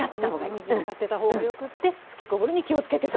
お水につかってたほうがよくて吹きこぼれに気をつけてと。